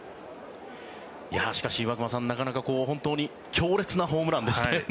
しかし、岩隈さんなかなか本当に強烈なホームランでしたね。